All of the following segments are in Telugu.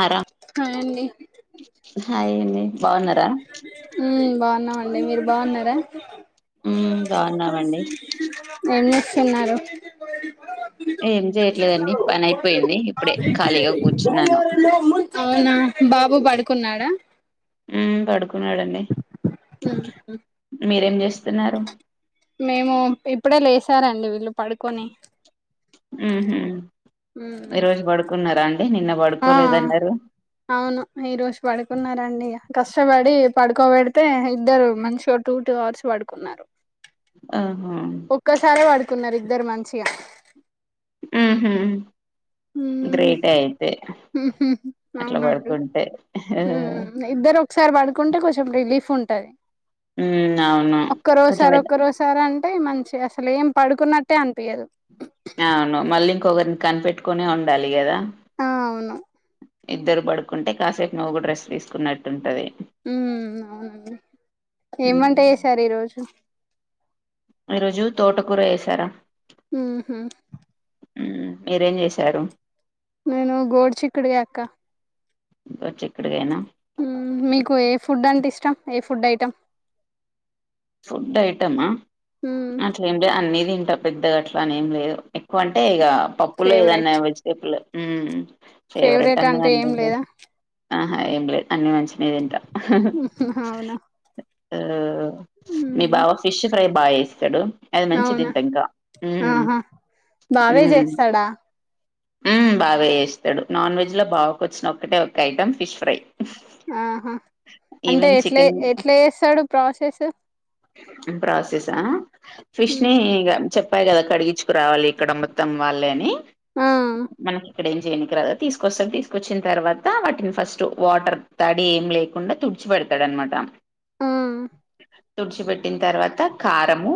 ఆరా హాయ్ అండి హాయి అండి బాగున్నారా మ్మ్ బాగున్నామండి మీరు బాగున్నారా ఉమ్ బాగున్నామండి ఏం చేస్తున్నారు ఏం చేయట్లేదండి పని అయిపోయింది ఇప్పుడే ఖాళీగా కూర్చున్నాను అవునా బాబు పడుకున్నాడా పడుకున్నాడండి మీరేం చేస్తున్నారు మేము ఇప్పుడే లేసారండి వీళ్ళు పడుకొని మ్మ్ హ్మ్ ఈ రోజు పడుకున్నారా నిన్న ఆ పడుకోలేదన్నారు అవును ఈ రోజు పడుకున్నారండి కష్టపడి పడుకోబెడితే ఇద్దరు మంచిగా టూ టూ అవర్స్ పడుకున్నారు ఆహా ఒక్కసారి వాడుకున్నారు ఇద్దరు మంచిగా ఉహు హ్మ్ గ్రేటే అయితే ఉహు అట్లా అవునండి పడుకుంటే ఉ ఇద్దరు ఒకసారి పడుకుంటే కొంచెం రిలీఫ్ ఉన్ ఉమ్ అవును ఒక్కరో కొంచెం సారి అయితే- ఒక్కరో సార్ అన్ టే మంచిగా అసలు ఏం పడుకున్నట్టే అనిపియదు. అవును మళ్ళీ ఇంకొకరిని కనిపెట్టుకునే ఉండాలి గదా. ఆ అవును ఇద్దరు పడుకుంటే కాసేపు నువ్వుగూడ రెస్ట్ తీసుకున్నట్టు ఉంటది. ఉ అవునండి ఏం వంట చేసారు ఈ రోజు ఈరోజు తోటకూర వేశారా ఉహు ఉ మీరేం చేసారు నేను గోడ్ చిక్కిడిగాయ్ అక్క బా చిక్కిడిగాయేనా ఉ మీకు ఏ ఫుడ్ అంటే ఇష్టం ఏ ఫుడ్ ఐటమ్ ఫుడ్ ఐటమా హ్మ్ అట్లేమ్లే అన్ని తిన్ టా పెద్దగా అట్లా అని ఏం లేదు ఎక్కువ అంటే ఇక పప్పులు ఏదన్నా ఫేవరెట్ వెజిటేబులు ఉ ఫేవరేట్ ఫేవరెట్ అంటూ ఏం అన్నదేమ్ లేదు లేదా ఆహా ఏం లేదు అన్ని మంచినే తింటా ఉహు అవునా ఆహాహా మీ హ్మ్ బావా ఫిష్ ఫ్రై బా చేస్తాడు అది మంచి అవునా తింటా ఇంకా ఆహా ఉ బావే చేస్తాడా ఉ బాగా చేస్తాడు నాన్ వెజ్లో బావాకు వచ్చిన ఒక్కటే ఒక ఐటమ్ ఫిష్ ఫ్రై. ఆహా అంటే ఈవెన్ ఎట్లే చికెన్ ఎట్లా చేస్తాడు ప్రాసెసు ప్రాసెసా ఫిష్ని హ్మ్. ఇగ చెప్ ప్పాయి కదా కడిగించుకురావాలి ఇక్కడ మొత్తం వాళ్ళే అని ఆ మనకి ఇక్కడ ఏం చేయనికి రాదు తీసుకొస్తాడు, తీసుకొచ్చిన తర్వాత వాటిని ఫస్ట్ వాటర్ తడి ఏం లేకుండా తు డ్చి పెడతాడనమాట ఉ తుడిచిపెట్టిన తర్వాత కారము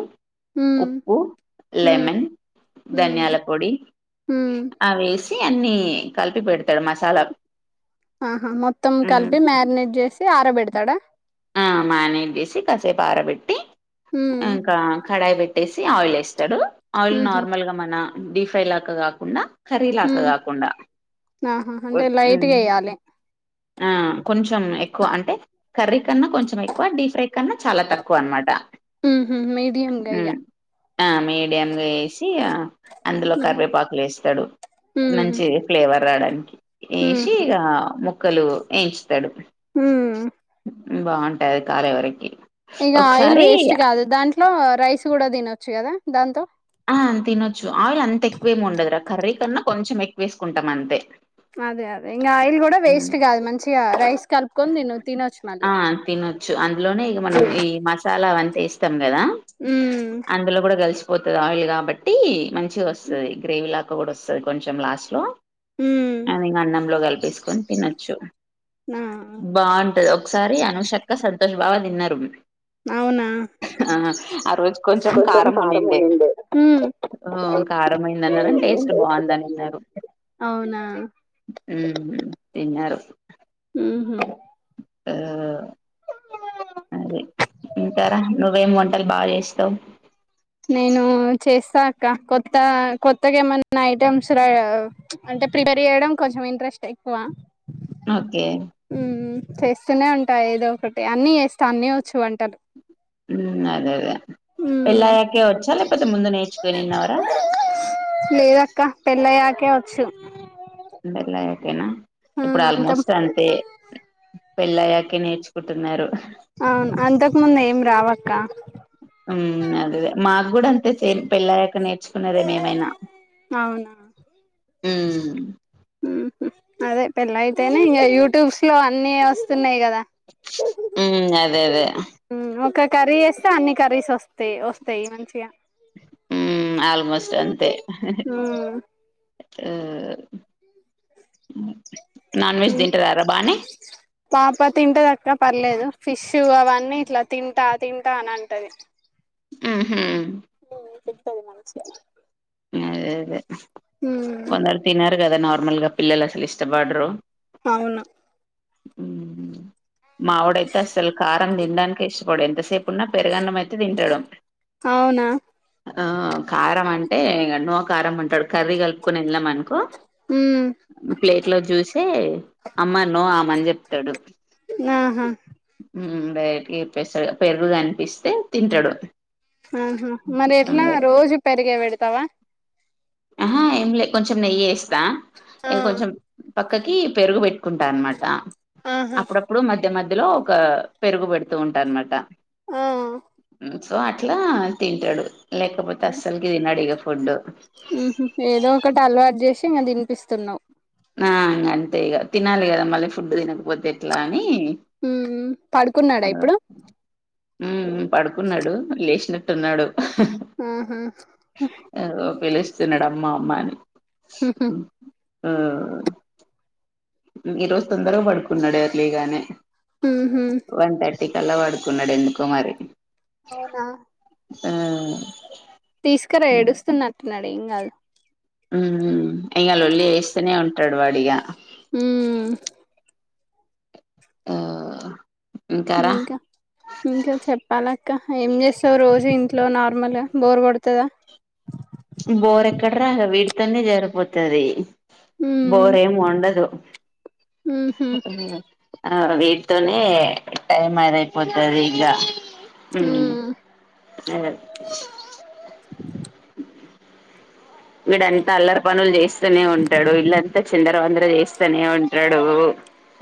ఉమ్ ఉప్పు ఉమ్ లెమన్ ఉమ్ ధనియాల పొడి ఉమ్ అవేసి అన్ని కలిపి పెడతాడు మసాలాలు ఆహా మొత్తం కలిపి మ్యారినేట్ చేసి ఆరబెడతాడా ఆ మానేట్ చేసి కసేపు ఆరబెట్టు ఉమ్ ఇంకా కడాయి పెట్టేసి ఆయిల్ యేస్తాడు ఆయిల్ ఉహు నార్మల్గా మన డి ఫ్రై లాక్క కాకుండా కర్రీ లాక్క ఉమ్ కాకుండ ఆహా వొ అంటే ఉమ్ లైట్గా వేయాలి ఆ కొంచెం ఎక్కువ అంటే కర్రీ కన్నా కొంచెం ఎక్కువ డీప్ ఫ్రై కన్నా చాలా తక్కువ అనమాట. ఉహు మీడియం గయ్య హ్మ్ ఆ మీడియంగా చేసి అందులో ఉమ్ కరివేపాకులు యేస్తాడు. ఉహు మంచి ఫ్లేవర్ రావడానికి వేసి ఇక ముక్కలు ఏంచుతాడు. ఉ బాగుంటాది కాలే వరకి ఇక ఆయిల్ ఒకసారి వేస్ట్ కాదు దాంట్లో రైస్ కూడా తినొచ్చు కదా దాంతో. ఆ తినొచ్చు ఆయిల్ అంత ఎక్కువేమి ఉండదురా కర్రీ కన్నా కొంచెం ఎక్కువ వేసుకుంటాం అంతే. అదే అదే ఇంకా ఆయిల్ కూడా ఉమ్ వేస్ట్ కాదు మంచిగా రైస్ కలుపుకొని తిను తినొచ్చు మళ్ళీ ఆ తినొచ్చు అందులోనే ఇక మనం ఈ మసాలా వన్ త్తం కదా ఉమ్ అందులో కూడా గలిసిపోతుంది ఆయిల్ కాబట్టి మంచ్ మంచిగా వస్తది గ్రేవీ లాగా కూడా వస్తుంది కొంచెం లాస్ట్ లో ఉమ్ అది ఇక అన్నంలో కలిపిసుకొని తినచ్చు ఆ బాగుంటది ఒకసారి అనుషక్క సంతోషు బా దిన్నరు అవునా ఆ ఆ రోజు కొంచెం కారం ఉనిండే ఉమ్ ఇంకా కారంమైందనరు అన్నారు కానీ టేస్ట్ బాగుందని వేసుకున్నాను అన్నారు అవునా ఉహు తినారు ఉహు ఆ అదే ఇంకారా నువ్వేం బాగా చేస్తావు నేను చేస్తాక్క కొత్త కొత్తగా ఏమన్నా ఐటమ్స్ రా అంటే ప్రిపేర్ చేయడం కొంచెం ఇంట్రెస్ట్ ఎక్కువ ఓకే ఉమ్ చేస్తూనే ఉంటాయి ఏదో ఒకటి అన్ని చేస్తా అన్ని వచ్చు వంటలు ఉమ్ ఉమ్ అదేదే వచ్చా లేకపోతే ముందు నేర్చుకొనిన్నవరా ఆ పెళ్లయ్యాకేనా ఇప్పుడు అంత ఆల్మోస్ట్ అంతే పెళ్ళయ్యాకే నేర్చుకుంటున్నారు అవును అంతకు ముందు ఏం రావక్క ఉమ్ అదేదే మాకు కూడా అంతే సేమ్ పెళ్లయ్యాక నేర్చుకున్నదేమేమైనా అవునా ఉ అదే పెళ్లయితేనే ఇంకా యూట్యూబ్స్ లో అన్ని వస్తున్నాయి కదా దా ఉమ్ అదే అదే ఉమ్ ఒక కర్రీ చేస్తే అన్ని కర్రీస్ అస్తాయి వస్తాయి మంచిగా ఉమ్ ఆల్మోస్ట్ అంతే ఉమ్ నాన్ వెజ్ తింటారారా బానే పాప తింటేదక్క పర్లేదు ఫిష్ అవన్నీ ఇట్లా తింటా తింటా అని అంటది ఆహ ఉమ్ తింటది మంచిగా అదే అదే ఉమ్ కొందరు తినరు కదా నార్మల్ గా పిల్లలు అసలు ఇష్టపడరు అవును ఉమ్ మావోడైతే అసలు కారం తినడానికి ఇష్టపడు ఎంతసేపున్నా పెరుగన్నం అయితే తింటాడు అవునా ఆ కారం అంటే ఇగ న్నో కారం ఉంటాడు కర్రీ కలుపుకుని వెళ్ళామనుకో ఉమ్ ప్లేట్ లో చూసి అమ్మ నో అమని చెప్తాడు ఆహా డైరెక్ట్గాప్పేస్తాడు పెరుగుగా కనిపిస్తే తింటాడు ఆహా మరి ఎట్లా రోజు పెరిగే పెడతావా ఆహ ఏం లే కొంచెం నెయ్యి వేస్తా ఆ ఇం కొంచెం పక్కకి పెరుగు పెట్టుకుంట అనమాట ఆహా అప్పుడప్పుడు మధ్య మధ్య ఇందులో ఒక పెరుగు పెడుతూ ఉంటా అనమాట ఆ సో అట్లా తింటాడు లేకపోతే అస్సలుకి తిన్నాడు ఇక ఫుడ్ ఏదో ఒకటి అలవాటు చేసి ఇంకా తినిపిస్తున్నా ఆ అంటే ఇక తినాలి కదా మళ్ళీ ఫుడ్ తినకపోతే ఎట్లా అని హ్మ్ పడుకున్నాడా ఇప్పుడు ఉమ్ పడుకున్నాడు లేచినప్పు ఆహా ఇగో పిలుస్తున్నాడు అమ్మ అమ్మా అని హహ ఆ ఈరోజు తొందరగా పడుకున్నాడు ఎర్లీగానే ఉహూ వన్ థర్టీ కల్లా పడుకున్నాడు ఎందుకో మరి అవునా ఆ తీసుకురా ఏడుస్తున్నట్టున్నాడు ఏం కాదు ఇగ లొల్లి చేస్తానే ఉంటడు వాడిగా ఊమ్ ఆ ఇంకారా ఇంకా ఇంకా చెప్పాలీ ఇకా ఏం చేస్తావు రోజు ఇంట్లో నార్మల్ బోర్ కొడుతదా బోర్ ఎక్కడ రా ఇగ వీడితోనే జరిపోతుది బోర్ ఏమి ఉండదు ఉహూ వీడి తోనే టైమ్ అద అయిపోతుంది ఇకా హ్మ్ అ వీడంతా అల్లరి పనులు చేస్తనే ఉంటాడు ఇళ్లంతా చిందర వందర చేస్తనే ఉంటడు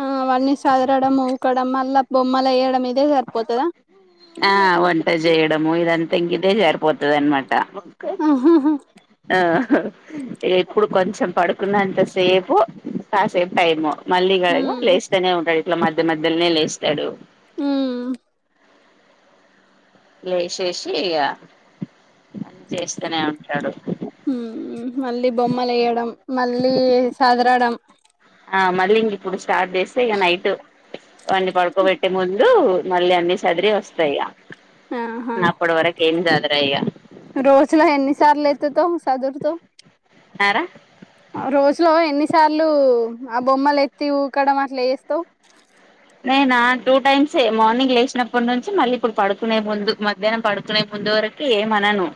ఆ అవన్నీ సదరడం ఊకడం మల్లా బొమ్మల ఏయడం ఇదే సరి పోతదా ఆ వంట చేయడము ఇదంతా ఇంగదే సరిపోతది అనమాట ఆహాహా ఆ ఎప్పుడు కొంచెం పడుకున్నంత సేపు కాసేపు టైము మళ్ళీ ఇగ హ్మ్ లేస్తానే ఉంటడు ఇట్లా మధ్య మధ్యలోనే లేస్తాడు ఉమ్ లేసేసి ఇక చేస్తనే ఉంటడు మళ్ళీ బొమ్మలు ఏయడం మళ్ళీ సదరడం ఆ మళ్ళీ ఇంక ఇప్పుడు స్టార్ట్ చేస్తే ఇక నైట్ వాన్నీ పడుకోబెట్టే ముందు మళ్ళీ అన్నిీ సదిరి వస్తాయి ఆహా నప్పుడు వరకు ఏం సదుర ఇగ రోజులో ఎన్నిసార్లు ఎత్తుతావ్ సదురుతవు అరా రోజు లో ఎన్ని ఎన్ని సార్లు ఆ బొమ్మలు ఎత్తి ఊకడం అట్ల చేస్తావు నేనా టూ టైమ్స్ సే మార్నింగ్ లేచినప్పటి నుంచి మళ్ళీ ఇప్పుడు పడుకునే ముందు మధ్యాహనం పడుకునే ముందు వరకు ఏమనను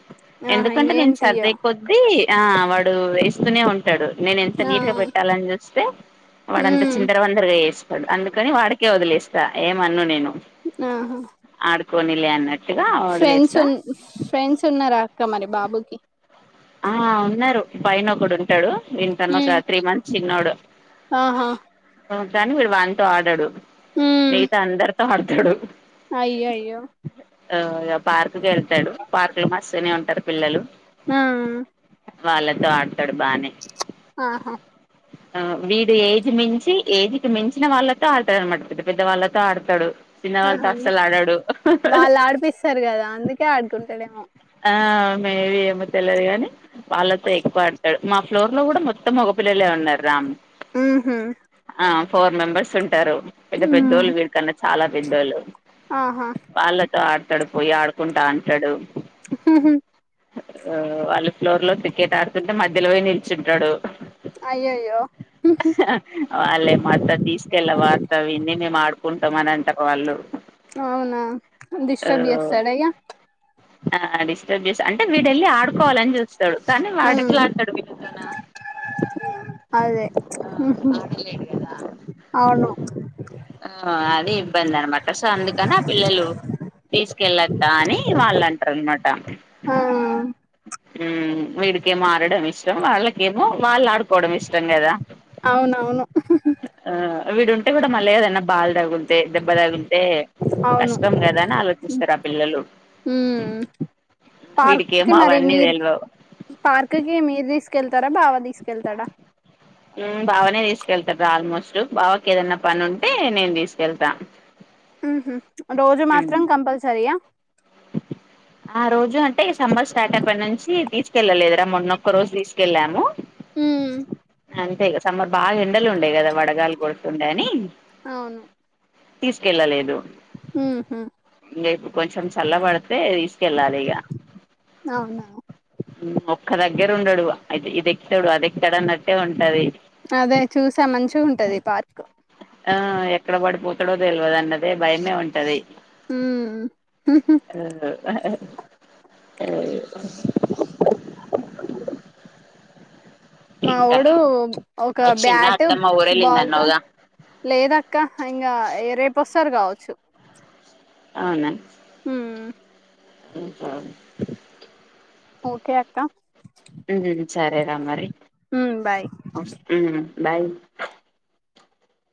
ఆహా ఎందుకంటే ఇంకేం నేను సర్దే తీయవ్ కొద్దీ ఆ వాడు వేస్తూనే ఉంటా ఉంటాడు నేను ఎంత ఆ నీట్ గా పెట్టాలని చూస్తే వాడంత ఉమ్ చిందర వందరగా వేస్తాడు అందుకని వాడికి అందుకే వదిలేస్తా ఏం అను నేను ఆహా పొనీ లే అన్నట్ ఫ్రెండ్స్ ఉ ఫ్రెండ్స్ ఉన్నారు అక్క మరి బాబుకి ఆ ఉన్నారు పైన ఒకడు ఉంటాడు వీడికన్న ఒక త్రీ మంత్స్ చిన్నోడు అహ కానీ వీడు వాన్తో ఆడడు మిగతా అందరితో ఆడతాడు అయ్యయ్యో ఆ ఇగ పార్క్కి వెళ్తాడు పార్క్ లో మస్తుగనే ఉంటారు పిల్లలు ఆ వాళ్ళతో ఆడతాడు బానే అహ ఆ వీడు ఏజ్ మించి ఏజ్కి మించిన వాళ్ళతో ఆడతాడు అనమాట పెద్ద పెద్ద వాళ్ళతో ఆడతాడు చిన్న వాళ్ళ తో ఆహా అస్సల్ ఆడడు సర్ కదా అందుకే ఆడుకుంటాడేమో ఆ మేబి ఏమో తెల్లదుగాని వాళ్ళతో ఎక్కువ ఆడతాడు మా ఫ్లోర్ లో కూడా మొత్తం మొగ పిల్లలే ఉన్నారామ్ ఉహు ఫోర్ మెంబర్స్ ఉంటారు పెద్ద పెద్దోళ్ళు వీళ కన్నా చాలా పెద్దోళ్ళు అహ వాళ్ళతో ఆడతాడు పోయి ఆదుకుంటాంటాడు ఆ వాళ్ళు ఫ్లోర్ లో క్రికెట్ ఆడుతుంటే మధ్యలో పోయి నిల్చుంటాడు అయ్యయ్యో వాళ్ళేమో అత్త తీసుకెల్లావా అత్త వీడిని మేం ఆడుకుం టం అని అంటరు వాళ్ళు అవునా డిస్టర్బ్ చేస్తడ ఇగ ఆ డిస్టర్బ్ చే అంటే వీడేళ్ళి ఆడుకోవాలని చూస్తాడు కానీ వాడు ఉమ్ ఇట్లా అంటాడు విడితోన అదే అవును ఆ అది ఇబ్బంది అనమాట సో అందుకని ఆ పిల్లలు తీసుకెళ్ళత్తా అని వాళ్ళంటరు అన్నమాట ఆ వీడికేమో ఆడడం ఇష్టం వాళ్ళకేమో వాళ్ళు ఆడుకు పోవడం ఇష్టం కదా అవునవును ఆ వీడు ఉంటే కూడా మళ్ళీద బాల్దగులుతే దెబ్బ తగులుతే అవును కష్టం కదా అని ఆలోచిస్తరు ఆ పిల్లలు ఉమ్ పార్క్కి వీడికేమో మరి అవన్నీ మీరు తెల్వవ్ పార్క్కిి మీరు తీసుకెళ్తారా బావ తీస్ తీసుకెళ్తాడా ఊ బావనే తీసుకెళ్తార్ర ఆల్మోస్ట్ బావకి ఏదనా పని ఉంటే నేను తీసుకెళ్తా ఉహు రోజు మాత్రం కంపల్సరియా ఆ రోజు అంటే సమ్మర్ స్టార్ట్ అప్ప నుంచి తీసుకెళ్ళలేదురా మొన్నొక్క రోజు తీసుకెళ్ళాము ఉమ్ అంతేగా సమ్మర్ బాగా ఎండలు ఉండే కదా వడగాలి కొడుతుండే అని అవును తీసుకెళ్ళలేదు ఉహు ఇంగ ఇప్పు కొంచెం చల్ల పడితే తీసుకెళ్ళాలి ఇగ అవునా ఒక్క దగ్గర ఉండడు అది ఇది ఎక్తాడు అది ఎక్క్తాడు అన్నట్టే ఉంటది అదే చూసా మంచి ఉంటది పార్క్ ఎక్కడో తెలివదన్నదే భయమే ఉంటది ఉ అ అ మా ఇంకా వోడు రా ఒక వచ్చిందా బ్యాట్ అత్తమ్మ ఊరెళ్ళింది బాల్ తోన్ అన్నావుగా లేదక్క ఇంకా రేపొస్తారు కావచ్చు అవునా ఉమ్ ఉంచాలి ఓకే అక్క ఊ సరే రా మరి ఉమ్ బాయ్ ఊ బాయ్